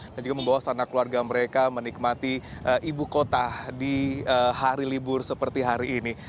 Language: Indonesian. juga membawa sanak keluarga mereka menikmati ibu kota di hari libur seperti hari ini